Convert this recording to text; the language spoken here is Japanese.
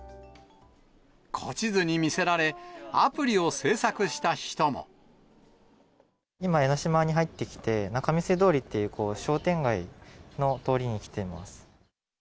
古地図に魅せられ、今、江の島に入ってきて、仲見世通りっていう商店街の通りに来ています。